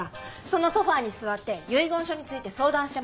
そのソファに座って遺言書について相談してました。